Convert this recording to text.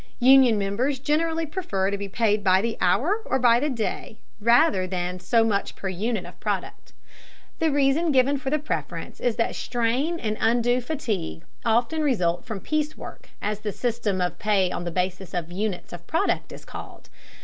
Union members generally prefer to be paid by the hour or by the day, rather than so much per unit of product. The reason given for the preference is that strain and undue fatigue often result from piece work, as the system of pay on the basis of units of product is called.